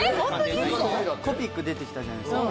コピック出てきたじゃないですか。